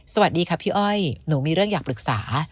สวัสดีค่ะพี่อ้อยหนูมีเรื่องอยากปรึกษา